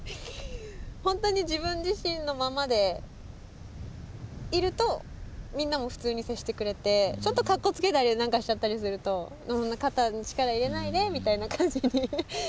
ほんとに自分自身のままでいるとみんなも普通に接してくれてちょっと格好つけたりなんかしちゃったりすると「そんな肩に力入れないで」みたいな感じに。